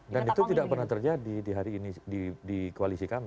dan itu tidak pernah terjadi di hari ini di koalisi kami